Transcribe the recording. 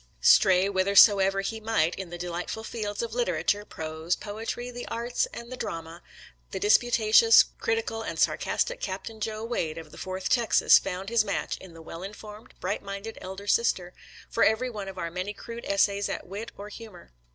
Stray whithersoever he might in the delightful fields of literature, prose, poetry, the arts, and the drama, the disputa tious, critical, and sarcastic Captain Joe Wade, of the Fourth Texas, found his match in the well informed, bright minded elder sister; for every one of our many crude essays at wit or humor.